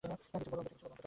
কিছু বল অন্তত।